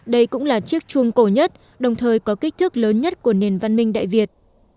đây cũng là chiếc chuông cổ nhất đồng thời có kích thước lớn nhất của nền văn minh đại việt